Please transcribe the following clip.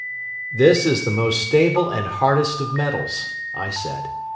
"This is the most stable and hardest of metals," I said.